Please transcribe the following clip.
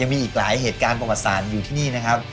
มีอีกหลายเหตุการณ์ประวัติศาสตร์อยู่ที่นี่นะครับ